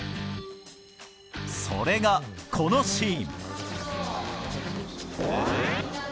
それが、このシーン。